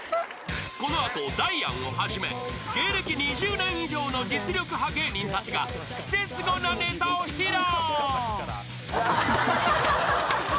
［この後ダイアンをはじめ芸歴２０年以上の実力派芸人たちがクセスゴなネタを披露］